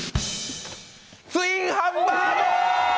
ツインハンバーグ！